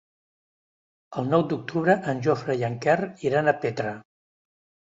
El nou d'octubre en Jofre i en Quer iran a Petra.